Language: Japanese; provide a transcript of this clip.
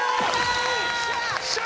よっしゃ！